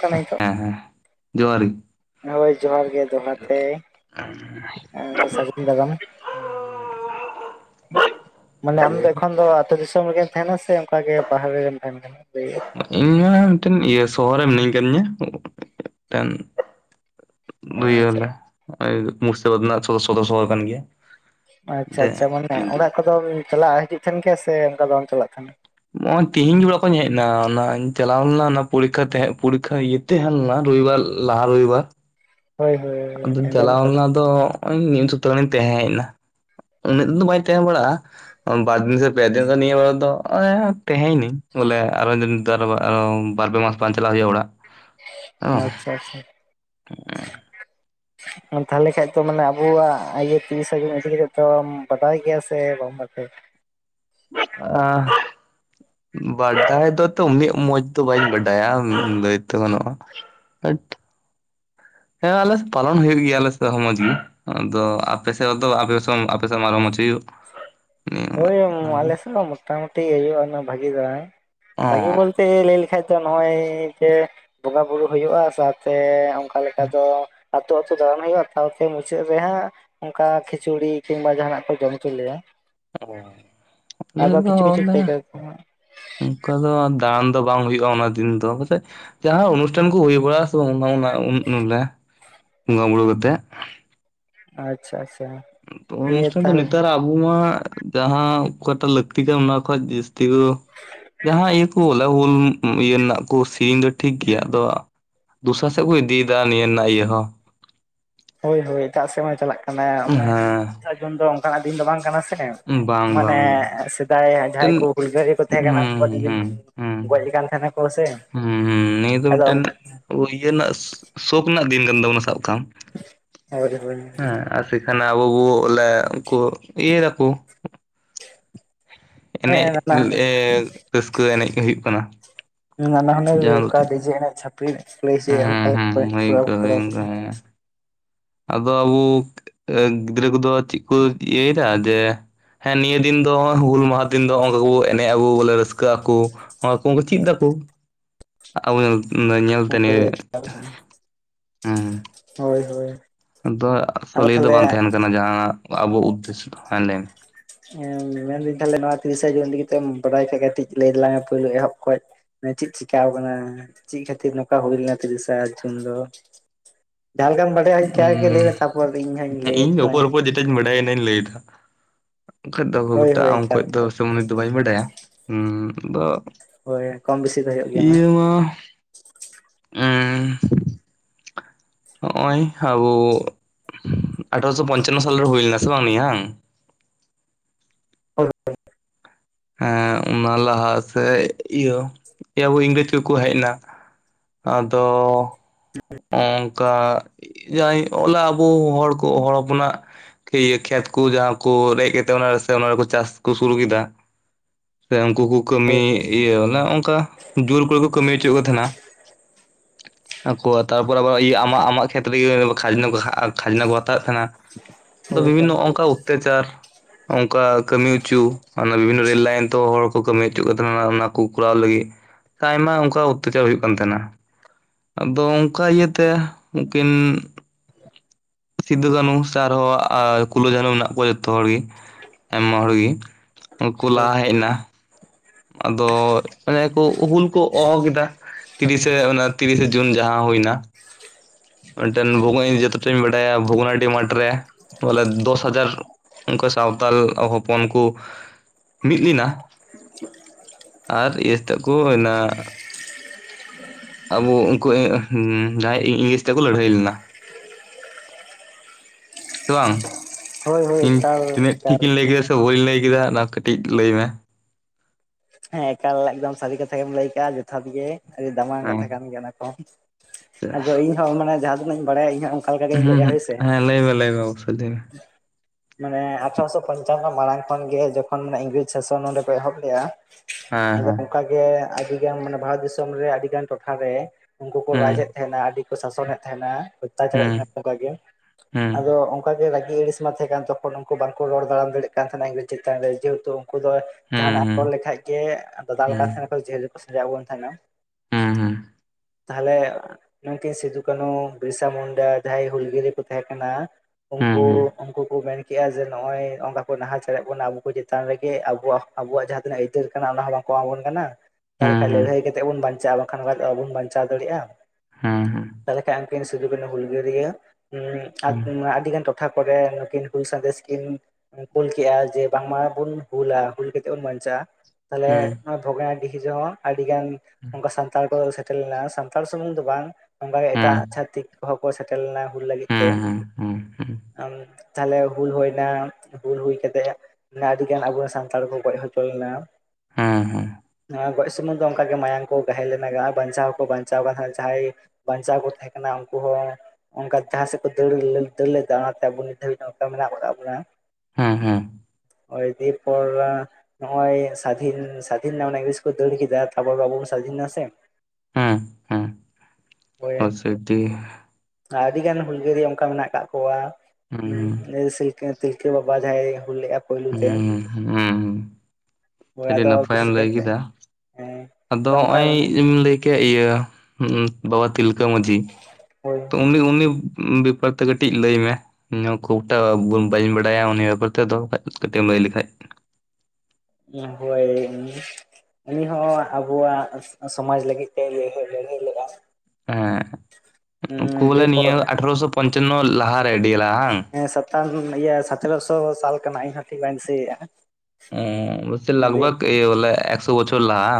ᱠᱟᱱᱟ ᱱᱤᱛᱚᱜ [unintelligible] ᱡᱚᱦᱟᱨ ᱜᱮ᱾ [unintelligible] ᱡᱚᱦᱟᱨ ᱜᱮ ᱫᱚᱲᱦᱟ ᱛᱮ᱾ [unintelligible] ᱥᱟᱹᱜᱩᱱ ᱫᱟᱨᱟᱢ᱾ ᱢᱟᱱᱮ ᱟᱢ ᱫᱚ ᱮᱠᱷᱚᱱ ᱫᱚ ᱟᱹᱛᱩ ᱫᱤᱥᱚᱢ [unintelligible] ᱚᱱᱠᱟᱜᱮ ᱵᱟᱦᱨᱮ ᱨᱮᱢ ᱛᱟᱦᱮᱱ ᱠᱟᱱᱟ ᱞᱟᱹᱭᱮᱜᱼᱟ ᱤᱧ ᱢᱟ ᱢᱤᱫᱴᱮᱱ ᱤᱭᱟᱹ ᱥᱚᱦᱚᱨ ᱨᱮ ᱢᱤᱱᱟᱹᱧ ᱠᱟᱹᱫᱤᱧᱟ᱾ ᱟᱪᱪᱷᱟ [unintelligible] [unintelligible] ᱢᱩᱨᱥᱤᱫᱟᱵᱟᱫᱽ ᱨᱮᱱᱟᱜ [unintelligible] ᱠᱟᱱ ᱜᱮᱭᱟ᱾ ᱟᱪᱪᱷᱟ ᱚᱸᱰᱮ ᱟᱪᱪᱷᱟ ᱢᱟᱱᱮ ᱢᱤᱱᱟᱹᱧ ᱠᱟᱹᱫᱤᱧᱟ ᱚᱲᱟᱜ ᱠᱚᱫᱚᱢ ᱪᱟᱞᱟᱜ ᱦᱤᱡᱩᱜ ᱠᱟᱱ ᱜᱮᱭᱟ ᱥᱮ ᱚᱱᱠᱟ ᱫᱚ ᱵᱟᱝ ᱪᱟᱞᱟᱜ ᱠᱟᱱᱟ ᱱᱚᱜ-ᱚᱭ ᱛᱤᱦᱤᱧ ᱜᱮ ᱚᱲᱟᱜ ᱠᱷᱚᱱ ᱤᱧ ᱦᱮᱡ ᱮᱱᱟ ᱚᱱᱟᱧ ᱪᱟᱞᱟᱣ ᱞᱮᱱᱟ ᱯᱚᱨᱤᱠᱠᱷᱟ ᱛᱟᱦᱮᱸ ᱯᱚᱨᱤᱠᱠᱷᱟ ᱤᱭᱟᱹ ᱛᱟᱦᱮᱸ ᱞᱮᱱᱟ ᱨᱚᱵᱤ ᱵᱟᱨ ᱞᱟᱦᱟ ᱨᱚᱵᱤ ᱵᱟᱨ ᱦᱳᱭ ᱦᱳᱭ ᱟᱫᱚ ᱟᱸᱡᱚᱢ ᱪᱟᱞᱟᱣ ᱠᱟᱫᱟ ᱞᱮᱱᱟ ᱫᱚ ᱦᱚᱜ-ᱚᱭ ᱢᱤᱫ ᱥᱩᱯᱛᱟ ᱜᱟᱱ ᱤᱧ ᱛᱟᱦᱮᱸ ᱦᱮᱡ ᱮᱱᱟ ᱩᱱᱟᱹᱜ ᱫᱤᱱ ᱫᱚ ᱵᱟᱹᱧ ᱛᱟᱦᱮᱸ ᱵᱟᱲᱟᱜᱼᱟ ᱵᱟᱨ ᱫᱤᱱ ᱥᱮ ᱯᱮ ᱫᱤᱱ ᱫᱚ ᱱᱤᱭᱟᱹ ᱵᱟᱨ ᱫᱚ ᱮᱻᱻ ᱛᱟᱦᱮᱸᱭ ᱱᱟᱹᱧ ᱵᱚᱞᱮ [unintelligible] ᱵᱟᱨ ᱯᱮ ᱢᱟᱥ ᱵᱟᱝ ᱪᱟᱞᱟᱜ ᱦᱩᱭᱩᱜ-ᱟ ᱚᱲᱟᱜ ᱟᱪᱪᱷᱟ ᱟᱪᱪᱷᱟ ᱛᱟᱦᱞᱮ ᱠᱷᱟᱱᱡ ᱛᱚ ᱢᱟᱱᱮ ᱟᱵᱚᱣᱟᱜ ᱛᱤᱱ ᱟᱡᱚᱢ ᱤᱫᱤ ᱠᱟᱛᱮᱜ ᱵᱟᱰᱟᱭ ᱜᱮᱭᱟ ᱥᱮ ᱵᱟᱢ ᱵᱟᱰᱟᱭᱟ [unintelligible] [inaudible] ᱵᱟᱰᱟᱭ ᱫᱚᱛᱚ ᱩᱱᱟᱹᱜ ᱢᱚᱸᱡᱽ ᱫᱚ ᱵᱟᱹᱧ ᱵᱟᱰᱟᱭᱟ ᱫᱟᱹᱭᱛᱮ ᱜᱟᱱᱚᱜᱼᱟ [unintelligible] ᱦᱮᱸ ᱟᱞᱮ ᱯᱟᱞᱚᱱ ᱦᱩᱭᱩᱜ ᱜᱮᱭᱟᱞᱮ ᱢᱚᱸᱡᱽ ᱜᱮ ᱟᱫᱚ ᱟᱯᱮᱥᱮᱫ ᱫᱚ ᱟᱯ ᱥᱮᱫ ᱟᱨ ᱢᱚᱡᱽ [unintelligible] ᱦᱳᱭ ᱟᱞᱮᱥ ᱢᱳᱴᱟᱢᱩᱴᱤ ᱦᱩᱭᱩᱜᱼᱟ ᱵᱷᱟᱹᱜᱤ ᱫᱟᱭ ᱵᱟᱠᱤ ᱵᱚᱞᱛᱮ ᱞᱟᱹᱭ ᱞᱮᱠᱷᱟᱭ ᱱᱚᱜᱼᱚᱭ ᱡᱮ ᱵᱚᱸᱜᱟ ᱵᱩᱨᱩ ᱦᱩᱭᱩᱜᱼᱟ ᱥᱟᱶᱛᱮ ᱚᱱᱠᱟ ᱞᱮᱠᱟ ᱫᱚ ᱟᱹᱛᱳ ᱟᱹᱛᱳ ᱫᱟᱬᱟᱱ ᱦᱩᱭᱩᱜᱼᱟ ᱥᱟᱶᱛᱮ ᱢᱩᱪᱟᱹᱫ ᱨᱮᱦᱟᱸᱜ ᱚᱱᱠᱟ ᱠᱷᱤᱪᱩᱲᱤ ᱠᱤᱢᱵᱟ ᱡᱟᱦᱟᱱᱟᱜ ᱠᱚ ᱡᱚᱢ ᱦᱚᱪᱚ ᱞᱮᱭᱟ ᱟᱞᱮ ᱟᱫᱚ ᱫᱚ ᱠᱤᱪᱷᱩ ᱠᱤᱪᱷᱩ ᱵᱚᱞᱮ ᱡᱟᱭᱜᱟ ᱠᱚ ᱚᱱᱠᱟ ᱫᱚ ᱫᱟᱬ ᱵᱟᱝ ᱦᱩᱭᱩᱜᱼᱟ ᱚᱱᱟ ᱫᱤᱱ ᱫᱚ ᱢᱟᱥᱮ ᱡᱟᱦᱟᱸ ᱚᱱᱩᱥᱴᱷᱟᱱ ᱠᱚ ᱦᱩᱭ ᱵᱟᱲᱟᱜᱼᱟ ᱥᱮ ᱵᱟᱝ ᱚᱱᱟ ᱵᱚᱞᱮ ᱵᱚᱸᱜᱟ ᱵᱩᱨᱩ ᱠᱟᱛᱮᱜ ᱟᱪᱪᱷᱟ ᱟᱪᱪᱷᱟ ᱛᱚ ᱤᱭᱟᱹ ᱚᱱᱩᱥᱴᱷᱟᱱ ᱫᱚ ᱛᱟᱦᱚᱞᱮ ᱱᱮᱛᱟᱨ ᱟᱵᱚ ᱢᱟ ᱡᱟᱦᱟᱸ ᱚᱠᱟᱴᱟᱜ ᱞᱟᱹᱠᱛᱤ ᱠᱟᱱᱟ ᱚᱱᱟ ᱠᱷᱚᱡ ᱡᱟᱹᱥᱛᱤ ᱠᱚ ᱡᱟᱦᱟᱸ ᱤᱭᱟᱹ ᱠᱚ ᱚᱞ ᱩᱞ ᱤᱭᱟᱹ ᱨᱮᱱᱟᱜ ᱠᱚ ᱥᱮᱨᱮᱧ ᱫᱚ ᱴᱷᱤᱠ ᱜᱮᱭᱟ ᱟᱫᱚ ᱫᱚᱥᱟᱨ ᱥᱮᱫ ᱠᱚ ᱤᱫᱤᱭᱮᱫᱟ ᱱᱤᱭᱟᱹ ᱨᱮᱱᱟᱜ ᱤᱭᱟᱹ ᱦᱚᱸ ᱦᱳᱭ ᱦᱳᱭ ᱮᱴᱟᱜ ᱥᱮᱫ ᱢᱟ ᱪᱟᱞᱟᱜ ᱠᱟᱱᱟ ᱚᱱᱮ ᱦᱮᱸ ᱛᱨᱤᱥᱟ ᱡᱩᱱ ᱫᱚ ᱚᱱᱠᱟᱱᱟᱜ ᱫᱤᱱ ᱫᱚ ᱵᱟᱝ ᱠᱟᱱᱟ ᱮᱸ ᱵᱟᱝ ᱢᱟᱱᱮ ᱵᱟᱝ ᱵᱟᱝ ᱥᱮᱫᱟᱭ ᱡᱟᱦᱟᱸᱭ ᱢᱤᱫᱴᱮᱱ ᱠᱚ ᱦᱩᱞᱜᱟᱹᱨ ᱨᱮ ᱠᱚ ᱛᱟᱦᱮᱸ ᱠᱟᱱᱟ ᱦᱩᱸ ᱩᱱᱠᱩᱣᱟᱜᱤᱱ ᱜᱚᱡ ᱞᱮ ᱠᱟᱱ ᱠᱷᱟᱱᱮ ᱦᱮᱸᱻᱦᱮᱸ ᱱᱤᱭᱟᱹ ᱫᱚ ᱢᱤᱫᱴᱮᱱ ᱤᱭᱟᱹ ᱨᱮᱱᱟᱜ ᱥᱩᱠ ᱨᱮᱱᱟᱜ ᱫᱤᱱ ᱠᱟᱱ ᱛᱟᱵᱚᱱᱟ ᱥᱟᱵ ᱦᱮᱸ ᱦᱳᱭ ᱦᱳᱭ ᱟᱨ ᱥᱮᱠᱷᱟᱱ ᱟᱵᱚ [unintelligible] ᱠᱚ ᱤᱭᱟᱹ ᱨᱟ ᱠᱚ ᱮᱱᱮᱡ ᱦᱮᱸ ᱚᱱᱟ ᱮ ᱨᱟᱹᱥᱠᱟᱹ ᱜᱮ ᱮᱱᱮᱡ ᱦᱩᱭᱩᱜ ᱠᱟᱱᱟ ᱱᱟᱱᱟ ᱦᱩᱱᱟᱹᱨ ᱡᱟᱦᱟᱸ ᱫᱚ ᱪᱮᱫ [unintelligible] ᱞᱟᱹᱭᱼᱟ ᱚᱱᱠᱟ ᱦᱩᱸ ᱦᱩᱸ ᱦᱩᱭ ᱚᱱᱠᱟ ᱦᱩᱭ ᱚᱱᱠᱟ [unintelligible] ᱦᱮᱸ ᱟᱫᱚ ᱟᱵᱚ ᱜᱤᱫᱽᱨᱟᱹ ᱠᱚᱫᱚ ᱪᱮᱫ ᱠᱚ ᱤᱭᱟᱹᱭᱮᱫᱟ ᱡᱮ ᱦᱮᱸ ᱱᱤᱭᱟᱹ ᱫᱤᱱ ᱫᱚ ᱦᱩᱞ ᱢᱟᱦᱟ ᱫᱤᱱ ᱫᱚᱠᱟ ᱮᱱᱮᱡ ᱟᱵᱚ ᱵᱚᱞᱮ ᱨᱟᱹᱥᱠᱟᱹᱜ ᱟᱠᱚ ᱩᱱᱠᱩ ᱪᱮᱫ ᱫᱟᱠᱚ [unintelligible] ᱧᱮᱞ ᱛᱮ ᱱᱤᱭᱟᱹ ᱦᱮᱸ ᱦᱳᱭ ᱦᱳᱭ ᱟᱫᱚ ᱟᱫᱚ ᱥᱚᱞᱟᱹᱭᱮ ᱫᱚ ᱛᱟᱦᱚᱞᱮ ᱵᱟᱝ ᱛᱟᱦᱮᱱ ᱠᱟᱱᱟ ᱡᱟᱦᱟᱸ ᱟᱵᱚ ᱩᱫᱽᱫᱮᱥᱥᱚ [inaudible] ᱞᱟᱹᱭᱢᱮ ᱸ ᱢᱮᱱᱫᱟᱹᱧ ᱛᱟᱦᱞᱮ ᱱᱚᱣᱟ ᱛᱤᱨᱤᱥᱟ ᱡᱩᱱ ᱞᱟᱹᱜᱤᱫ ᱛᱮᱢ ᱵᱟᱲᱟᱭ ᱠᱷᱟᱡ ᱠᱟᱹᱴᱤᱡ ᱞᱟᱹᱭ ᱛᱟᱞᱟᱝᱟ ᱯᱳᱭᱞᱳ ᱮᱦᱚᱵ ᱠᱷᱚᱱ ᱢᱟᱱ ᱪᱮᱫ ᱪᱤᱠᱠᱟᱣ ᱠᱟᱱᱟ ᱪᱮᱫ ᱠᱷᱟᱹᱛᱤᱨ ᱱᱚᱝᱠᱟ ᱦᱩᱭ ᱞᱮᱱᱟ ᱛᱤᱨᱤᱥᱟ ᱡᱩᱱ ᱫᱚ ᱡᱟᱦᱟᱸ ᱞᱮᱠᱟᱢ ᱵᱟᱰᱟᱭᱟ ᱜᱳᱢᱠᱮ ᱢᱮ [inaudible] ᱛᱟᱨᱯᱚᱨ ᱤᱧ ᱦᱚᱧ ᱦᱮᱸ ᱞᱟᱹᱭᱮᱫ ᱛᱟᱞᱟᱝ ᱟ ᱤᱧ ᱞᱟᱹᱭ ᱫᱟ ᱩᱱᱟᱹᱜ ᱫᱚ ᱦᱳᱭ ᱜᱚᱴᱟ ᱦᱳᱭ ᱩᱱ ᱮᱠᱟᱞ ᱫᱚ ᱮᱠᱟᱞ ᱥᱚᱢ ᱫᱚ ᱵᱟᱹᱧ ᱵᱟᱰᱟᱭᱟ ᱦᱳᱭ ᱠᱚᱢ ᱵᱮᱥᱤ ᱫᱚ ᱦᱩᱭᱩᱜ ᱜᱮᱭᱟ ᱤᱭᱟᱹ ᱢᱟ [inaudible] ᱦᱮ [unintelligible] ᱦᱚᱸᱜᱼᱚᱭ ᱟᱵᱚ ᱟᱴᱷᱨᱚᱥᱚ ᱯᱚᱧᱪᱟᱱᱱᱚ ᱥᱟᱞᱨᱮ ᱦᱩᱭ ᱞᱮᱱᱟ ᱥᱮ ᱵᱟᱝ ᱦᱳᱭᱻᱳᱭ ᱦᱮᱸ ᱚᱱᱟ ᱞᱟᱦᱟ ᱥᱮ ᱤᱭᱟᱹᱵᱚ ᱤᱝᱨᱮᱡᱽ ᱠᱚ ᱦᱮᱡ ᱮᱱᱟ ᱟᱫᱚ ᱚᱱᱠᱟ ᱡᱟᱦᱟᱸᱭ ᱟᱵᱚ ᱦᱚᱲ ᱠᱚ, ᱦᱚᱲ ᱦᱚᱯᱚᱱᱟᱜ ᱠᱷᱮᱛ ᱠᱚ ᱡᱟᱦᱟᱸ ᱠᱚ ᱨᱮᱡ ᱠᱟᱛᱮᱜ ᱚᱱᱟᱠᱚ ᱪᱟᱥ ᱠᱚ ᱥᱩᱨᱩ ᱠᱮᱫᱟ ᱥᱮ ᱩᱱᱠᱩ ᱠᱚ ᱠᱟᱹᱢᱤ ᱦᱳᱭ ᱦᱳᱭ ᱤᱭᱟᱹ ᱚᱱᱮ ᱚᱱᱠᱟ ᱡᱳᱨ ᱠᱚᱨᱮ ᱠᱚ ᱠᱟᱹᱢᱤ ᱦᱚᱪᱚᱭᱮᱫ ᱠᱚ ᱛᱟᱦᱮᱱᱟ᱾ [unintelligible] ᱟᱠᱚ ᱛᱟᱨᱯᱚᱨ ᱟᱵᱟᱨ ᱟᱢᱟᱜ ᱠᱷᱮᱛᱨᱮᱜᱮ ᱠᱷᱟᱡᱽᱱᱟ, ᱠᱷᱟᱡᱽᱱᱟ ᱠᱚ ᱦᱟᱛᱟᱣ ᱮᱫ ᱛᱟᱦᱮᱱᱟ᱾ ᱟᱫᱚ ᱦᱳᱭ ᱵᱤᱵᱷᱤᱱᱱᱚ ᱦᱚᱜ ᱠᱟ ᱚᱛᱛᱮᱪᱟᱨ ᱚᱱᱠᱟ ᱠᱟᱹᱢᱤ ᱦᱚᱪᱚ ᱵᱤᱵᱷᱤᱱᱱᱚ ᱨᱮᱹᱞ ᱞᱟᱭᱤᱱ ᱛᱚ ᱦᱚᱲ ᱠᱚ ᱠᱟᱹᱢᱤ ᱦᱚᱪᱚ ᱠᱟᱱ ᱛᱟᱦᱮᱱᱟ᱾ ᱚᱱᱟ ᱠᱚ ᱠᱚᱨᱟᱣ ᱞᱟᱹᱜᱤᱫ ᱟᱭᱢᱟ ᱚᱝᱠᱟ ᱚᱛᱛᱟᱪᱟᱨ ᱦᱩᱭᱩᱜ ᱠᱟᱱ ᱛᱟᱦᱮᱱᱟ᱾ ᱟᱫᱚ ᱚᱱᱠᱟ ᱤᱭᱟᱹᱛᱮ ᱩᱱᱠᱤᱱ ᱥᱤᱫᱩ - ᱠᱟᱹᱱᱩ ᱥᱮ ᱟᱨᱦᱚᱸ ᱠᱩᱞᱳ - ᱡᱷᱟᱱᱚ ᱢᱮᱱᱟᱜ ᱠᱚᱣᱟ᱾ ᱡᱚᱛᱚ ᱦᱚᱲ ᱜᱤ ᱟᱭᱢᱟ ᱦᱚᱲᱜᱤ᱾ ᱩᱱᱠᱩ ᱦᱳᱭ ᱞᱟᱦᱟ ᱦᱮᱡ ᱮᱱᱟ ᱟᱫᱚ ᱚᱱᱮ ᱠᱚ ᱦᱩᱞ ᱠᱚ ᱦᱚᱦᱚ ᱠᱮᱫᱟ ᱛᱤᱨᱤᱥᱮ ᱛᱤᱨᱤᱥᱮ ᱡᱩᱱ ᱡᱟᱦᱟᱸ ᱦᱩᱭᱱᱟ ᱢᱤᱫᱴᱮᱱ ᱵᱷᱩᱜᱽ ᱡᱚᱛᱚᱴᱟ ᱤᱧ ᱵᱟᱰᱟᱭᱟ ᱵᱷᱚᱜᱽᱱᱟᱰᱤ ᱢᱟᱴᱷᱨᱮ ᱵᱚᱞᱮ ᱫᱚᱥ ᱦᱟᱡᱟᱨ ᱚᱱᱠᱟ ᱥᱟᱶᱛᱟᱞ ᱦᱚᱯᱚᱱ ᱠᱚ ᱢᱤᱫ ᱞᱮᱱᱟ᱾ ᱟᱨ ᱤᱭᱟᱹᱛᱮᱫ ᱠᱩ ᱱᱟ ᱟᱵᱚ ᱩᱱᱠᱩ ᱡᱟᱦᱟᱸᱭ ᱤᱝᱞᱤᱥ ᱛᱮᱠᱚ ᱞᱟᱹᱲᱦᱟᱹᱭ ᱞᱮᱱᱟ᱾ ᱥᱮ ᱵᱟᱝ! ᱦᱳᱭ ᱦᱳᱭ ᱤᱧ ᱮᱠᱟᱞ ᱛᱤᱱᱟᱹᱜ ᱮᱠᱟᱞ ᱴᱷᱤᱠᱤᱧ ᱞᱟᱹᱭ ᱠᱮᱫᱟ ᱥᱮ ᱵᱟᱹᱧ ᱞᱟᱹᱭ ᱠᱮᱫᱟ ᱚᱱᱟ ᱠᱟᱹᱴᱤᱡ ᱞᱟᱹᱭ ᱢᱮ? ᱦᱮᱸ ᱮᱠᱟᱞ ᱮᱠᱫᱚᱢ ᱥᱟᱹᱨᱤ ᱠᱟᱛᱷᱟ ᱜᱮᱢ ᱞᱟᱹᱭ ᱠᱟᱜᱼᱟ, ᱡᱚᱛᱷᱟᱛ ᱜᱮ ᱟᱹᱰᱤ ᱫᱟᱢᱟᱱ ᱠᱟᱛᱷᱟ ᱟᱪᱪᱷᱟ ᱠᱟᱱ ᱜᱮᱭᱟ ᱚᱱᱟ ᱠᱚ ᱟᱫᱚ ᱤᱧ ᱦᱚᱸ ᱢᱟᱱᱮ ᱡᱟᱦᱟᱸ ᱛᱤᱱᱟᱹᱜ ᱤᱧ ᱵᱟᱲᱟᱭᱟ ᱤᱧ ᱦᱚᱸ ᱚᱱᱠᱟ ᱞᱮᱠᱟ ᱜᱤᱧ ᱦᱩᱸ ᱞᱟᱹᱭᱟ ᱦᱩᱸ ᱦᱳᱭᱥᱮ ᱦᱮᱸ ᱞᱟᱹᱭ ᱞᱟᱹᱭ ᱚᱵᱚᱥᱛᱟ ᱞᱟᱹᱭ ᱢᱮ ᱢᱟᱱᱮ ᱟᱴᱷᱨᱚᱥᱚ ᱯᱚᱧᱪᱟᱱᱱᱚ ᱢᱟᱲᱟᱝ ᱠᱷᱚᱱᱜᱮ ᱡᱚᱠᱷᱚᱱ ᱢᱟᱱᱮ ᱤᱝᱨᱮᱡᱽ ᱥᱟᱥᱚᱱ ᱱᱚᱰᱮ ᱮᱦᱚᱵ ᱞᱮ-ᱟ᱾ ᱟᱫᱚ ᱦᱮᱸ ᱚᱱᱠᱟ ᱜᱮ ᱟᱹᱰᱤᱜᱟᱱ ᱢᱟᱱᱮ ᱵᱷᱟᱨᱚᱛ ᱫᱤᱥᱚᱢ ᱨᱮ ᱟᱹᱰᱤᱜᱟᱱ ᱴᱚᱴᱷᱟ ᱨᱮ ᱩᱱᱠᱩ ᱠᱚ ᱦᱮᱸ ᱨᱟᱡ ᱮᱫ ᱛᱟᱦᱮᱱᱟ᱾ ᱟᱹᱰᱤ ᱠᱚ ᱥᱟᱥᱚᱱᱮᱫ ᱛᱟᱦᱮᱱᱟ᱾ ᱚᱛᱛᱭᱟ - ᱪᱟᱨᱮᱫ ᱦᱩᱸ ᱱᱟ ᱚᱱᱠᱟ ᱜᱮ ᱦᱩᱸ ᱟᱫᱚ ᱚᱱᱠᱟ ᱜᱮ ᱨᱟᱹᱜᱤ - ᱟᱹᱲᱤᱥ ᱢᱟ ᱛᱟᱦᱮᱸ ᱠᱟᱱ ᱛᱚᱠᱷᱚᱱ ᱩᱱᱠᱩ ᱵᱟᱝᱠᱚ ᱨᱚᱲ ᱫᱟᱲᱟᱢ ᱫᱟᱲᱮᱭᱟᱜ ᱠᱟᱱ ᱛᱟᱦᱮᱱᱟ ᱤᱝᱨᱮᱡ ᱪᱮᱛᱟᱱ ᱨᱮ ᱡᱮᱦᱤᱛᱩ ᱩᱱᱠᱩ ᱫᱚ ᱦᱩᱸ ᱡᱟᱦᱟᱱᱟᱜ ᱦᱩᱸ ᱨᱚᱲ ᱞᱮᱠᱷᱟᱡ ᱜᱮ ᱫᱟᱫᱟᱞ ᱦᱩᱸ ᱠᱟᱱ ᱛᱟᱦᱮᱱᱟ ᱠᱚ ᱡᱤᱭᱟᱹᱞᱤ ᱫᱟᱵᱟᱣ ᱵᱚᱱ ᱛᱟᱦᱮᱱᱟ᱾ ᱦᱩᱸ ᱦᱩᱸ ᱦᱩᱸ ᱦᱩᱸ ᱦᱩᱸ ᱦᱩᱸ ᱦᱩᱸ ᱦᱩᱸ ᱦᱩᱸ ᱦᱩᱸ ᱦᱩᱸ ᱦᱩᱸ ᱦᱩᱸ ᱦᱩᱸ ᱦᱩᱸ ᱦᱩᱸ ᱦᱩᱸ [inaudible] ᱛᱟᱦᱚᱞᱮ ᱱᱩᱠᱤᱱ ᱥᱤᱫᱩ - ᱠᱟᱹᱱᱩ, ᱵᱤᱨᱥᱟᱹ ᱢᱩᱱᱰᱟ ᱡᱟᱦᱟᱸᱭ ᱦᱩᱞᱜᱟᱹᱨᱤᱭᱟᱹ ᱠᱚ ᱛᱟᱦᱮᱸ ᱠᱟᱱᱟ᱾ ᱩᱱᱠᱩ ᱩᱱᱠᱩ ᱠᱚ ᱢᱮᱱ ᱠᱮᱜᱼᱟ ᱡᱮ ᱱᱚᱜᱼᱚᱭ ᱱᱚᱝᱠᱟ ᱠᱚ ᱱᱟᱦᱟᱪᱟᱨᱮᱫ ᱵᱚᱱᱟ ᱟᱵᱚ ᱠᱚ ᱪᱮᱛᱟᱱ ᱨᱮᱜᱮ ᱟᱵᱚᱣᱟᱜ ᱟᱵᱚᱣᱟᱜ ᱡᱟᱦᱟᱸ ᱛᱤᱱᱟᱹᱜ ᱟᱹᱭᱫᱟᱹᱨ ᱠᱟᱱᱟ ᱚᱱᱟ ᱦᱚᱸ ᱵᱟᱝ ᱠᱚ ᱢᱟᱵᱚᱱ ᱠᱟᱱᱟ ᱛᱟᱦᱚᱞᱮ ᱠᱷᱟᱱ ᱦᱩᱸ ᱞᱟᱹᱲᱦᱟᱹᱭ ᱠᱟᱛᱮᱫ ᱵᱚᱱ ᱵᱟᱧᱪᱟᱜᱼᱟ ᱵᱟᱠᱷᱟᱱ ᱫᱚ ᱵᱟᱵᱚᱱ ᱵᱟᱧᱪᱟᱣ ᱫᱟᱲᱮᱭᱟᱜᱼᱟ ᱦᱮᱸ ᱦᱮᱸ ᱠᱤᱱ ᱥᱤᱫᱩ ᱠᱟᱹᱱᱦᱩ ᱦᱩᱞᱜᱟᱹᱨᱤᱭᱟᱹ ᱩᱸ ᱟᱹᱰᱤ ᱜᱟᱱ ᱴᱚᱴᱷᱟ ᱠᱚᱨᱮ ᱱᱩᱠᱤᱱ ᱦᱩᱞ ᱥᱟᱸᱫᱮᱥ ᱠᱤᱱ ᱠᱩᱞ ᱠᱮᱜᱼᱟ ᱡᱮ ᱵᱟᱝᱢᱟ ᱵᱚᱱ ᱦᱩᱞᱟ ᱦᱩᱞ ᱠᱟᱛᱮᱫ ᱵᱚᱱ ᱵᱟᱧᱪᱟᱜᱼᱟ ᱛᱟᱦᱚᱞᱮ ᱱᱚᱣᱟ ᱵᱷᱚᱜᱽᱱᱟᱰᱤᱦᱤ ᱨᱮ ᱦᱚᱸ ᱟᱹᱰᱤ ᱜᱟᱱ ᱚᱱᱠᱟ ᱥᱟᱱᱛᱟᱲ ᱠᱚ ᱥᱮ ᱥᱮᱴᱮᱨ ᱞᱮᱱᱟ ᱥᱟᱱᱛᱟᱲ ᱥᱩᱢᱩᱝ ᱫᱚ ᱵᱟᱝ ᱚᱱᱠᱟ ᱜᱮ ᱮᱴᱟᱜ ᱪᱷᱟᱹᱛᱤᱠ ᱠᱚᱦᱚᱸ ᱠᱚ ᱥᱮᱴᱮᱨ ᱞᱮᱱᱟ ᱦᱩᱞ ᱞᱟᱹᱜᱤᱫ ᱛᱮ ᱟᱢ ᱛᱟᱦᱚᱞᱮ ᱦᱩᱞ ᱦᱩᱭᱮᱱᱟ ᱦᱩᱞ ᱦᱩᱭ ᱠᱟᱛᱮᱜ ᱟᱹᱰᱤᱜᱟᱱ ᱟᱵᱚ ᱥᱟᱱᱛᱟᱲ ᱠᱚ ᱜᱚᱡ ᱦᱚᱪᱚ ᱞᱮᱱᱟ ᱦᱩᱸ ᱦᱩᱸ ᱜᱚᱡ ᱥᱩᱢᱩᱝ ᱫᱚ ᱚᱱᱠᱟ ᱜᱮ ᱢᱟᱭᱟᱢ ᱠᱚ ᱵᱟᱦᱮᱞ ᱞᱮᱱᱟ ᱵᱟᱧᱪᱟᱣ ᱦᱚᱸᱠᱚ ᱵᱟᱧᱪᱟᱣ ᱠᱟᱱ ᱡᱟᱦᱟᱸᱭ ᱵᱟᱧᱪᱟᱣ ᱠᱚ ᱛᱟᱦᱮᱸ ᱠᱟᱱᱟ ᱩᱱᱠᱩ ᱦᱚᱲ ᱚᱱᱠᱟ ᱡᱟᱦᱟᱸ ᱥᱮᱫ ᱠᱚ ᱫᱟᱹᱲ ᱫᱟᱹᱲ ᱞᱮᱫᱟ ᱚᱱᱟᱛᱮ ᱟᱵᱚ ᱱᱤᱛ ᱫᱷᱟᱹᱵᱤᱡ ᱱᱚᱝᱠᱟ ᱢᱮᱱᱟᱜ ᱟᱠᱟᱫ ᱵᱚᱱᱟ ᱦᱩᱸ ᱦᱩᱸ ᱫᱤᱭᱯᱚᱨ ᱱᱚᱜᱚᱭ ᱥᱟᱫᱷᱤᱱ ᱥᱟᱫᱷᱤᱱ ᱮᱱᱟᱝ ᱮᱱᱮ ᱠᱚ ᱫᱟᱹᱲ ᱠᱮᱫᱟ ᱛᱟᱨᱯᱚᱨ ᱟᱵᱚᱵᱚᱱ ᱥᱟᱫᱷᱤᱱ ᱮᱱᱟ ᱥᱮ ᱦᱩᱸ ᱦᱩᱸ ᱥᱫᱤ ᱟᱹᱰᱤ ᱜᱟᱱ ᱦᱩᱞᱜᱟᱹᱨᱤᱭᱟᱹ ᱚᱱᱠᱟ ᱢᱮᱱᱟᱜ ᱟᱠᱟᱫ ᱠᱚᱣᱟ ᱦᱩᱸ ᱥᱤᱞᱠᱟᱹ ᱛᱤᱞᱠᱟᱹ ᱵᱟᱵᱟ ᱡᱟᱦᱟᱭ ᱦᱩᱞ ᱞᱮᱜᱼᱟ ᱦᱩᱸ ᱦᱩᱸ ᱦᱳᱭ ᱟᱹᱰᱤ ᱟᱫᱚ ᱱᱟᱯᱟᱭ ᱮᱢ ᱵᱤᱥᱮᱥ ᱞᱟᱹᱭ ᱠᱟᱭᱛᱮ ᱠᱮᱫᱟ ᱦᱮᱸ ᱟᱫᱚ ᱦᱚᱜ ᱚᱱᱠᱟ ᱚᱭ ᱡᱮᱢ ᱞᱟᱹᱭᱠᱮᱜ ᱤᱭᱟᱹ ᱵᱟᱵᱟ ᱛᱤᱞᱠᱟᱹ ᱢᱟᱡᱷᱤ ᱦᱳᱭ ᱩᱱᱤ ᱩᱱᱤ ᱵᱮᱯᱟᱨ ᱛᱮᱫ ᱠᱟᱹᱴᱤᱡ ᱞᱟᱹᱭ ᱢᱮ ᱤᱧ ᱠᱷᱩᱵᱴᱟᱜ ᱵᱟᱹᱧ ᱵᱟᱲᱟᱭᱟ ᱩᱱᱤ ᱵᱮᱯᱟᱨ ᱛᱚ ᱠᱟᱹᱴᱤᱡ ᱮᱢ ᱞᱟᱹᱭ ᱞᱟᱹᱭ ᱞᱮᱠᱷᱟᱡ ᱦᱳᱭ ᱩᱱᱤ ᱦᱚᱸ ᱟᱵᱚᱣᱟᱜ ᱥᱚᱢᱟᱡᱽ ᱞᱟᱹᱜᱤᱫ ᱛᱮᱭ ᱞᱟᱹᱲᱦᱟᱹᱭ, ᱞᱟᱹᱲᱦᱟᱹᱭ ᱞᱮᱫᱟ᱾ ᱦᱮᱸ ᱩᱱᱠᱩ ᱵᱚᱞᱮ ᱱᱤᱭᱟᱹ ᱫᱤᱭᱮᱯᱚᱨ ᱟᱴᱷᱨᱚᱥᱚ ᱯᱚᱧᱪᱟᱱᱱᱚ ᱞᱟᱦᱟᱨ ᱰᱤᱞᱟᱝ ᱦᱮᱸ ᱥᱟᱛᱟᱢ ᱤᱭᱟᱹ ᱥᱚᱛᱨᱚ ᱥᱚ ᱥᱟᱞ ᱠᱟᱱᱟ ᱤᱧᱦᱚ ᱴᱷᱤᱠ ᱵᱟᱸᱧ ᱫᱤᱥᱟᱹᱭᱮᱜᱟ᱾ ᱩ ᱞᱟᱜ - ᱵᱷᱟᱜ ᱤᱭᱟᱹ ᱵᱚᱞᱮ ᱮᱠᱥᱚ ᱵᱚᱪᱚᱨ ᱞᱟᱦᱟ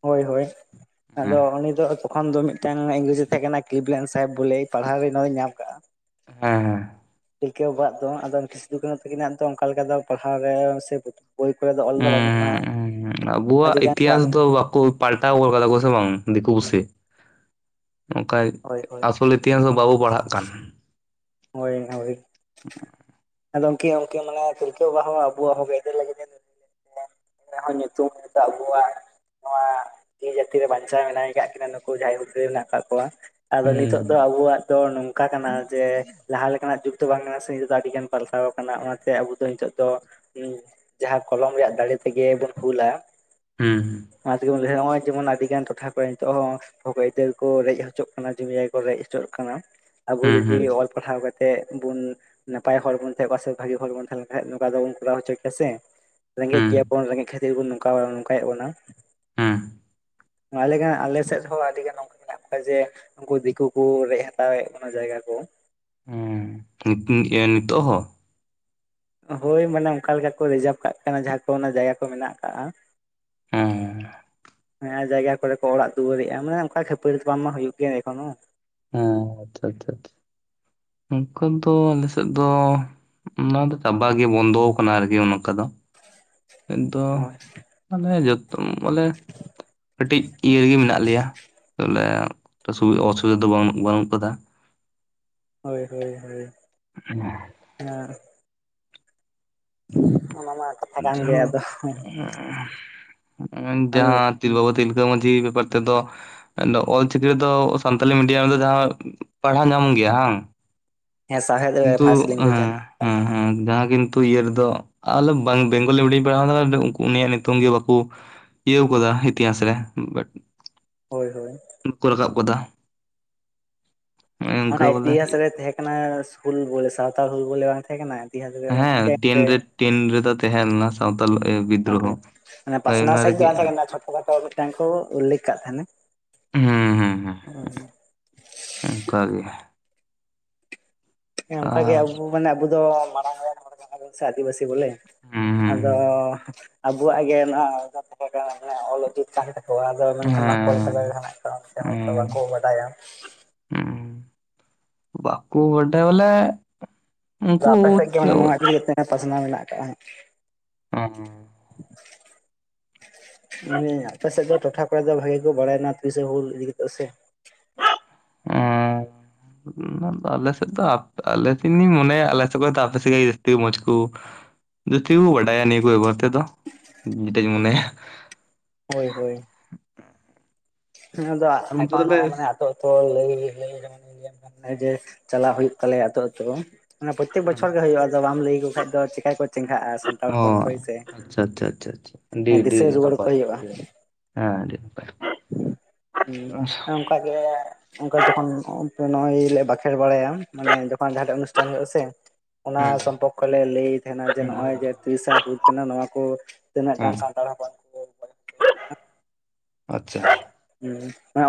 ᱦᱳᱭ ᱦᱳᱭ ᱟᱫᱚ ᱩᱱᱤ ᱫᱚ ᱛᱚᱠᱷᱚᱱ ᱫᱚ ᱢᱤᱫᱴᱮᱱ ᱤᱝᱨᱮᱡ ᱮ ᱛᱟᱦᱮᱸ ᱠᱟᱱᱟ ᱠᱤᱞᱤᱯᱞᱮᱱ ᱥᱟᱦᱮᱵᱽ ᱵᱚᱞᱮ ᱯᱟᱲᱦᱟᱣ ᱨᱮ ᱱᱚᱣᱟ ᱫᱚᱧ ᱧᱟᱢ ᱠᱟᱜᱼᱟ᱾ ᱦᱮᱸ ᱦᱮᱸ ᱛᱤᱞᱠᱟᱹᱣ ᱵᱟᱟᱜ ᱫᱚ ᱟᱫᱚ ᱥᱤᱫᱷᱩ - ᱠᱟᱹᱱᱩ ᱛᱟᱹᱠᱤᱱᱟᱜ ᱫᱚ ᱚᱱᱠᱟ ᱞᱮᱠᱟ ᱫᱚ ᱯᱟᱲᱦᱟᱣ ᱨᱮ ᱥᱮ ᱵᱳᱭ ᱠᱚᱨᱮ ᱚᱞ ᱫᱚ ᱵᱟᱹᱱᱩᱜᱼᱟ᱾ ᱦᱮᱸ ᱟᱹᱰᱤ ᱟᱵᱚᱣᱟᱜ ᱜᱟᱱ ᱠᱚ ᱟᱫ ᱤᱛᱤᱦᱟᱸᱥ ᱫᱚ ᱵᱟᱠᱚ ᱯᱟᱞᱴᱟᱣ ᱜᱚᱜ ᱠᱟᱫᱟ ᱠᱚ ᱥᱮ ᱵᱟᱝ ᱫᱤᱠᱩ ᱠᱟᱱᱟ ᱯᱩᱥᱤ ᱚᱱᱠᱟ ᱦᱳᱭ ᱦᱳᱭ ᱟᱥᱚᱞ ᱤᱛᱤᱦᱟᱸᱟᱥ ᱫᱚ ᱵᱟᱵᱚ ᱯᱟᱲᱦᱟᱜ ᱠᱟᱱ᱾ ᱦᱳᱭ ᱦᱳᱭ [unintelligible] ᱟᱫᱚ ᱩᱱᱠᱤᱱ ᱢᱟᱱᱮ ᱛᱤᱞᱠᱟᱹ ᱵᱟᱵᱟ ᱦᱚᱸ ᱟᱵᱚᱣᱟᱜ ᱦᱚᱸ ᱞᱟᱹᱜᱤᱫ ᱧᱩᱛᱩᱢ ᱦᱚᱭᱛᱚ ᱟᱵᱩᱣᱟᱜ ᱱᱚᱣᱟ ᱛᱤ ᱡᱟᱹᱛᱤ ᱨᱮ ᱵᱟᱧᱪᱟᱣ ᱢᱮᱱᱟᱭ ᱟᱠᱟᱫ ᱠᱤᱱᱟ ᱱᱩᱠᱩ ᱡᱟᱦᱟᱸᱭ ᱦᱩᱫᱽᱨᱟᱹᱭ ᱢᱮᱱᱟᱜ ᱟᱠᱟᱫ ᱠᱚᱣᱟ᱾ ᱟᱫᱚ ᱱᱤᱛᱚᱜ ᱦᱩᱸ ᱫᱚ ᱟᱵᱚᱣᱟᱜ ᱫᱚ ᱱᱚᱝᱠᱟ ᱠᱟᱱᱟ ᱡᱮ ᱡᱟᱦᱟᱸ ᱞᱮᱠᱟᱱᱟᱜ ᱡᱩᱜ ᱫᱚ ᱵᱟᱝ ᱠᱟᱱᱟ ᱱᱤᱛᱚᱜ ᱫᱚ ᱟᱹᱰᱤ ᱜᱟᱱ ᱯᱟᱞᱴᱟᱣ ᱟᱠᱟᱱᱟ ᱚᱱᱟᱛᱮ ᱟᱵᱚ ᱫᱚ ᱱᱤᱛᱚᱜ ᱫᱚ [inaudible] ᱡᱟᱦᱟ ᱠᱚᱞᱚ [inaudible] ᱨᱮᱭᱟᱜ ᱫᱟᱲᱮ ᱛᱮᱜᱮ ᱵᱚᱱ ᱦᱩᱞᱟ ᱦᱩᱸ ᱟ ᱱᱚᱜᱼᱚᱭ ᱡᱮᱢᱚᱱ ᱟᱹᱰᱤᱜᱟᱱ ᱴᱚᱴᱷᱟ ᱠᱚᱨᱮ ᱱᱤᱛᱚᱜ ᱦᱚᱸ ᱦᱚᱠᱼᱟᱹᱭᱫᱟᱹᱨ ᱠᱚ ᱨᱮᱡ ᱦᱚᱪᱚᱜ ᱠᱟᱱᱟ ᱡᱚᱢᱼ ᱡᱟᱭ ᱠᱚ ᱨᱮᱡ ᱦᱚᱪᱚᱜ ᱠᱟᱱᱟ ᱟᱵᱚ ᱦᱩᱸ ᱦᱩᱸ ᱡᱩᱫᱤ ᱚᱞ ᱠᱟᱛᱮ ᱵᱚᱱ ᱱᱟᱯᱟᱭ ᱦᱚᱲ ᱵᱚᱱ ᱛᱟᱦᱮ ᱠᱚᱜᱣᱟ ᱥᱮ ᱵᱷᱟᱜᱤ ᱦᱚᱲ ᱵᱚᱱ ᱛᱟᱦᱮᱸ ᱞᱮᱱ ᱠᱷᱟᱱ ᱱᱚᱝᱠᱟ ᱫᱚᱵᱚᱱ ᱠᱚᱨᱟᱣ ᱦᱚᱪᱚ ᱠᱮᱭᱟ ᱥᱮ ᱨᱮᱸᱜᱮᱡ ᱦᱩᱸ ᱜᱮᱭᱟᱵᱚᱱ ᱨᱮᱸᱜᱮᱡ ᱠᱷᱟᱹᱛᱤᱨ ᱵᱚᱱ ᱱᱚᱝᱠᱟ ᱱᱚᱝᱠᱟᱭᱮᱫ ᱵᱚᱱᱟ ᱦᱩᱸ ᱟᱞᱮ ᱜᱟᱱ ᱟᱞᱮ ᱥᱮᱫ ᱦᱚᱸ ᱟᱹᱰᱤᱜᱟᱱ ᱱᱚᱝᱠᱟ ᱢᱮᱱᱟᱜᱼᱟ ᱠᱟ ᱡᱮ ᱩᱱᱠᱩ ᱫᱤᱠᱩ ᱠᱩ ᱨᱮᱡ ᱦᱟᱛᱟᱣᱮᱫ ᱵᱚᱱᱟ ᱡᱟᱭᱜᱟ ᱠᱚ ᱦᱩᱸ [inaudible] ᱱᱤᱛᱚᱜ ᱦᱚᱸ ᱦᱳᱭ ᱢᱟᱱᱮ ᱚᱱᱠᱟ ᱞᱮᱠᱟ ᱠᱚ ᱨᱤᱡᱟᱨᱵᱷ ᱠᱟᱜ ᱠᱟᱱᱟ ᱡᱟᱦᱟᱸ ᱠᱚ ᱚᱱᱟ ᱡᱟᱭᱜᱟ ᱠᱚ ᱢᱮᱱᱟᱜ ᱠᱟᱜᱟ ᱦᱮᱸ ᱡᱟᱦᱟ ᱡᱟᱭᱜᱟ ᱠᱚᱨᱮ ᱠᱚ ᱚᱲᱟᱜ ᱫᱩᱣᱟᱹᱨᱮᱜᱼᱟ ᱢᱟᱱᱮ ᱚᱱᱠᱟ ᱠᱷᱟᱹᱯᱟᱹᱨᱤ ᱫᱚ ᱵᱟᱝ ᱢᱟ ᱦᱩᱭᱩᱜ ᱜᱮᱭᱟ ᱮᱠᱷᱚᱱ ᱦᱚᱸ ᱦᱮᱸ ᱟᱪᱪᱷᱟ ᱟᱪᱪᱷᱟ ᱟᱪᱪᱷᱟ ᱱᱚᱠᱟ ᱫᱚ ᱟᱞᱮ ᱥᱮᱫ ᱫᱚ ᱚᱱᱟ ᱫᱚ ᱪᱟᱵᱟ ᱜᱮ ᱵᱚᱱᱫᱚᱣ ᱠᱟᱱᱟ ᱟᱨᱠᱤ ᱚᱱᱠᱟ ᱫᱚ ᱫᱚ [inaudible] ᱡᱚᱛ ᱵᱚᱞᱮ ᱠᱟᱹᱴᱤᱡ ᱤᱭᱟᱹ ᱜᱮ ᱢᱮᱱᱟᱜ ᱞᱮᱭᱟ ᱵᱚᱞᱮ [inaudible] ᱫᱚ ᱵᱟᱹᱱᱩᱜ ᱵᱟᱹᱱᱩᱜ ᱠᱟᱫᱟ ᱦᱳᱭ ᱦᱳᱭ ᱦᱳᱭ [inaudible] [unintelligible] ᱠᱟᱛᱷᱟ ᱠᱟᱱ ᱜᱮᱭᱟ ᱟᱫᱚ ᱡᱟᱦᱟᱸ [inaudible] ᱡᱟᱦᱟᱸ ᱛᱤᱞ ᱵᱟᱵᱟ ᱛᱤᱞ [inaudible] ᱢᱟᱹᱡᱷᱤ ᱵᱮᱯᱟᱨ ᱛᱮᱫᱚ ᱚᱞ ᱪᱤᱠᱤ ᱨᱮᱫᱚ ᱥᱟᱱᱛᱟᱞᱤ ᱢᱤᱰᱤᱭᱟᱢ ᱨᱮᱫᱚ ᱡᱟᱦᱟᱸ ᱯᱟᱲᱦᱟᱣ ᱧᱟᱢ ᱜᱮᱭᱟ ᱦᱟᱝ ᱦᱮᱸ ᱥᱟᱶᱦᱮᱫ ᱨᱮ ᱠᱤᱱᱛᱩ ᱯᱷᱟᱥᱴ ᱞᱮᱝᱜᱩᱭᱮᱡᱽ ᱦᱮᱸ ᱦᱮᱸ ᱦᱮᱸ ᱡᱟᱦᱟᱸ ᱠᱤᱱ ᱟᱹᱛᱩ ᱤᱭᱟᱹ ᱨᱮᱫᱚ ᱟᱞᱮ ᱵᱟᱝ ᱵᱮᱝᱜᱚᱞᱤ [inaudible] ᱯᱟᱲᱦᱟᱣᱫᱟ ᱩᱱᱤᱭᱟᱜ ᱧᱩᱛᱩᱢ ᱜᱮ ᱵᱟᱠᱚ ᱤᱭᱟᱹᱣ ᱟᱠᱟᱫᱟ ᱤᱛᱤᱦᱟᱸᱟᱥ ᱨᱮ ᱦᱳᱭ ᱦᱳᱭ [inaudible] ᱠᱚ ᱨᱟᱠᱟᱵ ᱟᱠᱟᱫᱟ ᱚᱱᱟ ᱵᱚᱞᱮ ᱤᱛᱤᱦᱟᱥ ᱨᱮ ᱛᱟᱦᱮᱸᱱᱟ ᱦᱩᱞ ᱵᱚᱞᱮ ᱥᱟᱣᱛᱟᱞ ᱦᱩᱞ ᱵᱚᱞᱮ ᱵᱟᱝ ᱛᱟᱦᱮᱸ ᱠᱟᱱᱟ ᱤᱛᱤᱦᱟᱥ ᱨᱮ ᱚᱱᱟ ᱦᱮᱸ ᱴᱮᱱ ᱨᱮ ᱴᱮᱱ ᱨᱮᱫᱚ ᱛᱟᱦᱮᱸ ᱞᱮᱱᱟ ᱥᱟᱶᱛᱟᱞ ᱵᱤᱫᱽᱫᱨᱳᱦᱚ ᱦᱮᱸᱮ ᱦᱳᱭ ᱯᱟᱥᱱᱟᱣ ᱚᱱᱟ ᱥᱟᱭᱤᱡ ᱫᱚ ᱨᱮᱜᱮ ᱵᱟᱝ ᱛᱟᱦᱮᱸ ᱠᱟᱱᱟ ᱪᱷᱳᱴᱳ ᱠᱷᱟᱴᱳ ᱢᱤᱫᱴᱟᱝ ᱠᱚ ᱩᱞᱞᱮᱠᱷ ᱠᱟᱜ ᱛᱟᱦᱮᱱᱟ [unintelligible] ᱚᱱᱠᱟᱜᱮ ᱦᱮᱸ ᱚᱱᱠᱟᱜᱮ ᱟᱵᱚ ᱢᱟᱱᱮ ᱟᱵᱚ ᱫᱚ ᱢᱟᱲᱟᱝ ᱦᱚᱲ ᱡᱟᱦᱟᱸ ᱵᱚᱱ ᱥᱮ ᱟᱹᱫᱤᱵᱟᱹᱥᱤ ᱵᱚᱞᱮ ᱦᱩᱸ ᱦᱩᱸ ᱟᱫᱚ ᱟᱵᱚᱣᱟᱜ ᱜᱮ ᱱᱚᱣᱟ [unintelligible] ᱛᱟᱦᱮᱸ ᱠᱟᱱᱟ ᱟᱫᱚ ᱢᱮᱱᱠᱷᱟᱱ ᱢᱟ ᱦᱮᱸ ᱠᱚᱞᱟᱭᱛᱮᱛ ᱦᱮᱸ ᱵᱟᱠᱚ ᱵᱟᱰᱟᱭᱟ ᱵᱟᱠᱩ [unintelligible] ᱟᱫᱚ ᱟᱯᱮ ᱥᱮᱫ ᱜᱮ ᱢᱟᱱᱮ ᱱᱚᱣᱟ ᱤᱫᱤ ᱠᱟᱛᱮᱜ ᱯᱟᱥᱱᱟᱣ ᱢᱮᱱᱟᱜ ᱟᱠᱟᱫ ᱚ ᱟᱯᱮ ᱥᱮᱫ ᱫᱚ ᱴᱚᱴᱷᱟ ᱠᱚᱨᱮ ᱫᱚ ᱵᱷᱟᱜᱤ ᱠᱚ ᱵᱟᱲᱟᱭᱱᱟ ᱦᱩᱞ ᱤᱫᱤ ᱠᱟᱛᱮ ᱥᱮ ᱟᱞᱮ ᱥᱮᱫ ᱫᱚ ᱟᱞᱮ [unintelligible] ᱢᱚᱱᱮ ᱟᱞᱮ ᱥᱮᱫ ᱠᱷᱚᱱ ᱟᱯᱮ ᱥᱮᱫ ᱜᱮ ᱡᱟᱹᱥᱛᱤ ᱢᱚᱡᱽ ᱠᱚ ᱡᱟᱹᱥᱛᱤ ᱜᱮᱠᱚ ᱵᱟᱰᱟᱭᱟ ᱱᱤᱭᱟᱹ ᱠᱚ ᱵᱮᱜᱚᱨ ᱛᱮᱫᱚ [unintelligible] ᱢᱚᱱᱮᱭᱟ ᱦᱳᱭ ᱦᱳᱭ ᱫᱚ ᱟᱨ ᱚᱱᱛᱮ ᱮᱠᱷᱚᱱ ᱫᱚᱞᱮ ᱦᱚᱸ ᱢᱟᱱᱮ ᱟᱹᱛᱩ ᱟᱹᱛᱩ ᱞᱟᱹᱭ ᱞᱟᱹᱭ ᱡᱮ ᱪᱟᱞᱟᱣ ᱦᱩᱭᱩᱜ ᱛᱟᱞᱮᱭᱟ ᱟ ᱟᱹᱛᱳ ᱟᱹᱛᱳ ᱚᱱᱟ ᱯᱨᱚᱛᱛᱮᱠ ᱵᱚᱪᱷᱚᱨ ᱜᱮ ᱦᱩᱭᱩᱜᱼᱟ ᱟᱫᱚ ᱵᱟᱢ ᱞᱟᱹᱭᱟᱠᱚ ᱠᱷᱟᱱ ᱫᱚ ᱪᱮᱠᱟ ᱠᱚ ᱪᱮᱸᱜᱷᱼᱟ ᱥᱟᱱᱛᱟᱲ ᱚ ᱦᱚᱯᱚᱱ ᱠᱚᱭ ᱥᱮ ᱟᱪᱪᱷᱟ ᱟᱪᱪᱷᱟ ᱟᱪᱪᱷᱟ ᱟᱹᱰᱤ ᱟᱹᱰᱤ ᱱᱟᱯᱟᱭ ᱦᱩᱭᱩᱜᱼᱟ ᱦᱮᱸᱟᱰᱤ ᱱᱟᱯᱟᱭ ᱦᱩᱸ ᱦᱮᱸ ᱚᱱᱠᱟᱜᱮ ᱚᱱᱠᱟ ᱡᱚᱠᱷᱚᱱ ᱛᱚᱹ ᱱᱚᱜ ᱚᱭ ᱞᱮ ᱵᱟᱸᱠᱷᱮᱲ ᱵᱟᱲᱟᱭᱟ ᱢᱟᱱᱮ ᱡᱚᱠᱷᱚᱱ ᱡᱟᱦᱟᱸᱴᱟᱜ ᱚᱱᱩᱥᱴᱷᱟᱱ ᱦᱩᱭᱩᱜᱼᱟ ᱥᱮ ᱚᱱᱟ ᱦᱮᱸ ᱥᱚᱢᱯᱚᱨᱠᱚ ᱞᱮ ᱞᱟᱹᱭᱮᱫ ᱛᱟᱦᱮᱱᱟ ᱡᱮ ᱱᱚᱜ ᱚᱭ ᱡᱮ ᱛᱨᱤᱥᱟ ᱦᱩᱞ ᱠᱟᱱᱟ ᱱᱚᱣᱟ ᱠᱚ ᱛᱤᱱᱟᱹᱜ ᱜᱟᱱ ᱥᱟᱱᱛᱟᱲ ᱦᱚᱯᱚᱱ [unintelligible] ᱟᱪᱪᱷᱟ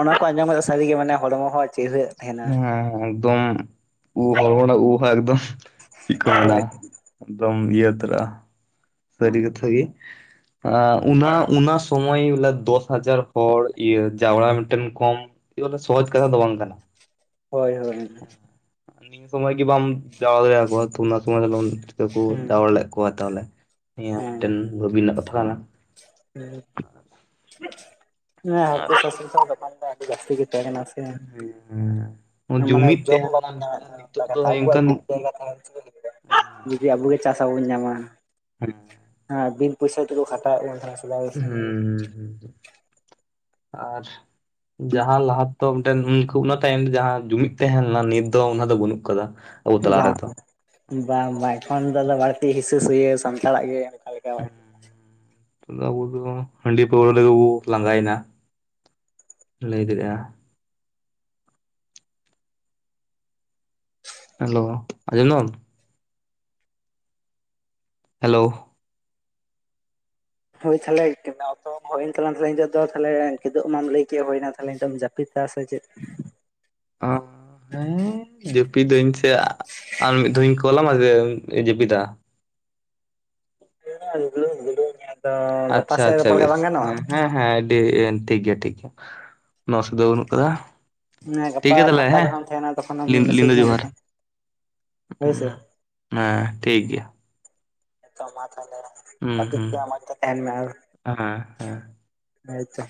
ᱚᱱᱟ ᱠᱚ ᱟᱸᱡᱚᱢ ᱠᱟᱛᱮ ᱥᱟᱹᱨᱤᱜᱮ ᱢᱟᱱᱮ ᱦᱚᱲᱢᱚ ᱦᱚᱸ ᱪᱤᱨᱦᱟᱹᱜ ᱛᱟᱦᱮᱱᱟ᱾ ᱦᱮᱸ ᱮᱠᱫᱚᱢ ᱩᱦ [inaudible] ᱩᱦᱟ ᱮᱠᱫᱚᱢ ᱪᱤᱠᱟᱹᱱᱟ ᱦᱳᱭ᱾ ᱮᱠᱫᱚᱢ ᱤᱭᱟᱹ ᱛᱚᱨᱟ ᱥᱟᱹᱨᱤ ᱠᱟᱛᱷᱟ ᱜᱮ ᱚᱱᱟ ᱚᱱᱟ ᱥᱚᱢᱚᱭ ᱵᱚᱞᱮ ᱫᱚᱥ ᱦᱟᱡᱟᱨ ᱦᱚᱲ ᱤᱭᱟᱹ ᱡᱟᱣᱨᱟ ᱢᱤᱫᱴᱮᱱ ᱠᱚᱢ ᱵᱚᱞᱮ ᱥᱚᱦᱚᱡ ᱠᱟᱛᱷᱟ ᱫᱚ ᱵᱟᱝ ᱠᱟᱱᱟ ᱦᱳᱭ ᱦᱳᱭ ᱱᱤᱭᱟᱹ ᱥᱚᱢᱚᱭ ᱜᱮ ᱵᱟᱢ ᱡᱟᱨᱟ ᱫᱟᱲᱮᱭᱟᱠᱚᱣᱟ ᱛᱚ ᱚᱱᱟ ᱥᱚᱢᱚᱭ ᱫᱚ ᱞᱮᱠᱚ ᱦᱩᱸ ᱡᱟᱣᱨᱟ ᱞᱮᱫ ᱠᱚᱣᱟ ᱛᱟᱦᱚᱞᱮ ᱦᱮ ᱦᱮᱸ ᱢᱤᱫᱴᱮᱱ ᱵᱷᱟᱵᱤ ᱨᱮᱱᱟᱜ ᱠᱟᱛᱷᱟ ᱠᱟᱱᱟ ᱦᱮᱸᱠ ᱟᱨ ᱥᱟᱥ ᱫᱚᱠᱟᱱ ᱡᱟᱹᱥᱛᱤ ᱜᱮ ᱥᱮ ᱦᱮᱸ ᱢᱟᱱᱮ ᱡᱩᱢᱤᱫ ᱡᱚᱢ ᱦᱚᱸ ᱛᱟᱦᱮᱸ ᱵᱟᱠᱚ ᱞᱮᱱᱟ ᱧᱟᱢ ᱟᱨ ᱱᱤᱛᱚᱜ ᱮᱫ ᱫᱚ ᱚᱱᱠᱟᱱ ᱛᱟᱦᱮᱱᱟ [unintelligible] ᱡᱩᱫᱤ ᱟᱵᱚᱜ ᱜᱮ ᱪᱟᱥ ᱟᱵ ᱵᱚᱱ ᱧᱟᱢᱟ ᱦᱮᱸ ᱦᱮᱸ ᱵᱤᱱ ᱯᱚᱭᱥᱟ ᱛᱮᱠᱚ ᱠᱷᱟᱴᱟᱶ ᱵᱤᱱ ᱛᱟᱦᱮᱱᱟ ᱦᱮᱸ ᱦ ᱦ ᱟᱨ ᱡᱟᱦᱟᱸ ᱞᱟᱦᱟ ᱫᱚ [inaudible] ᱩᱱᱠᱩ ᱚᱱᱟ ᱴᱟᱭᱤᱢ ᱨᱮ ᱡᱟᱦᱟᱸ ᱡᱩᱢᱤᱫ ᱛᱟᱦᱮᱸ ᱞᱮᱱᱟ ᱱᱤᱛ ᱫᱚ ᱚᱱᱟ ᱫᱚ ᱵᱟᱹᱱᱩᱜ ᱟᱠᱟᱫᱟ ᱵᱟᱝ ᱵᱟᱝ ᱵᱟᱝ ᱮᱠᱷᱚᱱ ᱫᱚ ᱵᱟᱹᱲᱛᱤ ᱦᱤᱸᱝᱥᱟᱹ ᱥᱟᱱᱛᱟᱲᱟᱜ ᱜᱮ ᱟᱠᱟ [inaudible] ᱛᱚᱸ ᱟᱵᱚ ᱫᱚ ᱦᱟᱺᱰᱤ ᱯᱟᱹᱣᱨᱟᱹ ᱞᱟᱹᱜᱤᱫᱵᱚ ᱞᱟᱸᱜᱟᱭᱮᱱᱟ ᱞᱟᱹᱭ ᱫᱟᱲᱮᱭᱟᱜᱼᱟ ᱦᱮᱞᱳ ᱟᱡᱚᱢ ᱫᱟᱢ [unintelligible] ᱦᱮᱞᱳ ᱦᱳᱭ ᱛᱟᱦᱚᱞᱮ ᱚᱠᱛᱚ ᱦᱚᱸ ᱦᱩᱭᱮᱱ ᱛᱟᱞᱟᱝ ᱛᱮ ᱧᱤᱛᱚᱜ ᱫᱚ ᱛᱟᱦᱚᱞᱮ ᱠᱤᱫᱩ ᱢᱟᱢ ᱞᱟᱹᱭ ᱠᱮᱫ ᱦᱩᱭᱱᱟ ᱛᱟᱦᱮᱧᱚᱢ ᱡᱟᱹᱯᱤᱫ [unintelligible] ᱪᱮᱫ ᱚ ᱦᱮᱸ ᱡᱟᱹᱯᱤᱫ ᱫᱟᱹᱧ ᱥᱮ ᱟᱨ ᱢᱤᱫ ᱫᱷᱟᱣᱤᱧ ᱠᱚᱞ ᱟᱢᱟ ᱡᱮ ᱡᱟᱹᱯᱤᱫᱟ [inaudible] ᱜᱟᱯᱟ ᱟᱪᱪᱷᱟ ᱥᱮᱫ ᱟᱪᱪᱷᱟ ᱨᱚᱯᱚᱲ ᱠᱷᱟᱡ ᱵᱮᱥ ᱵᱟᱝ ᱜᱟᱱᱚᱜᱼᱟ? ᱦᱮᱸ ᱦᱮᱸ ᱟᱹᱰᱤ ᱴᱷᱤᱠ ᱜᱮᱭᱟ ᱴᱷᱤᱠ ᱜᱮᱭᱟ ᱚᱱᱟ ᱚᱥᱩᱵᱤᱫᱷᱟ ᱵᱟᱹᱱᱩᱜ ᱟᱠᱟᱫᱟ ᱦᱮᱸ ᱜᱟᱯᱟ ᱯᱷᱟᱸᱠᱟ ᱡᱚᱠᱷᱚᱢ ᱛᱟᱦᱮᱱᱟ ᱛᱚᱠᱷᱚᱱᱮᱢ ᱢᱮᱥᱮᱡᱽ ᱧᱮᱞᱮᱫᱼᱟ ᱦᱸ ᱦᱮᱸ ᱴᱷᱤᱠ ᱜᱮᱭᱟ ᱛᱚᱸ ᱢᱟ ᱛᱟᱦᱞᱮ ᱦᱩᱸ ᱡᱟᱹᱯᱤᱫ ᱦᱩᱸ ᱢᱮ ᱢᱮᱡᱽᱛᱮ ᱛᱟᱦᱮᱱ ᱢᱮ ᱦᱮᱸ ᱦᱮᱸ [inaudible] ᱦᱳᱭ ᱛᱚ